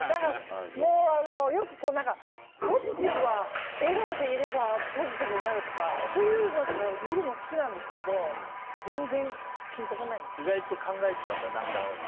よく、ポジティブは笑顔でいればポジティブになるとかそういうのとか見るの好きなんですけど意外と考えちゃうんだ。